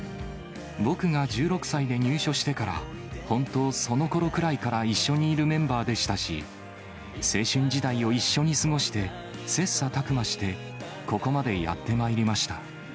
僕が１６歳で入所してから、本当、そのころくらいから一緒にいるメンバーでしたし、青春時代を一緒に過ごして、切さたく磨してここまでやってまいりました。